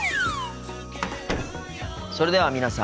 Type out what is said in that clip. それでは皆さん